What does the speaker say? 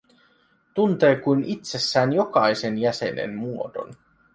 Tuntee kuin itsessään jokaisen jäsenen muodon.